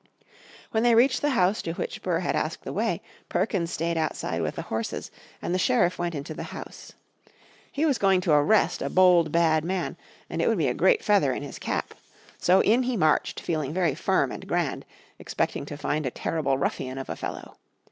When they reached the house to which Burr had asked the way, Perkins stayed outside with the horses, and the sheriff went into the house. He was going to arrest a bold bad man, and it would be a great feather in his cap. So in he marched feeling very firm and grand, expecting to find a terrible ruffian of a fellow.